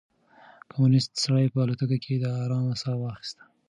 کمونيسټ سړي په الوتکه کې د ارام ساه واخيسته.